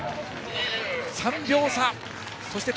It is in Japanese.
３秒差。